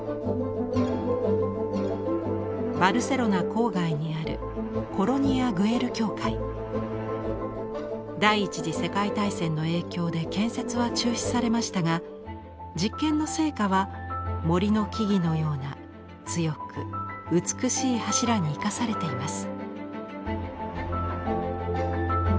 バルセロナ郊外にある第１次世界大戦の影響で建設は中止されましたが実験の成果は森の木々のような強く美しい柱に生かされています。